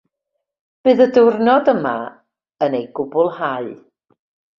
Bydd y diwrnod yma yn ei gwblhau.